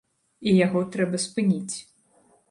І яго трэба спыніць.